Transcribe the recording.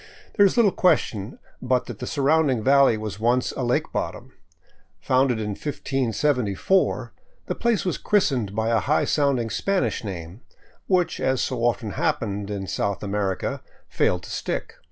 There is little question but that the surrounding valley was once a lake bottom. Founded in 1574, the place was christened by a high sounding Spanish name, which, as so often hap pened in South America, failed to stick.